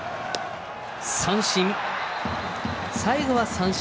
三振。